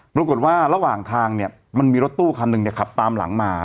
ระหว่างทางเนี่ยมันมีรถตู้คันหนึ่งเนี่ยขับตามหลังมา